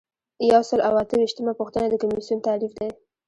یو سل او اته ویشتمه پوښتنه د کمیسیون تعریف دی.